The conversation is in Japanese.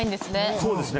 そうですね